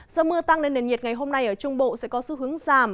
do mưa tăng nên nền nhiệt ngày hôm nay ở trung bộ sẽ có xu hướng giảm